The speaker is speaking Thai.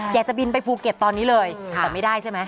อยากจะบินไปภูเก็ตตอนนี้เลยแต่ไม่ได้ใช่ไหม